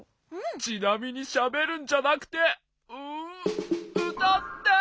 ちなみにしゃべるんじゃなくてうたって！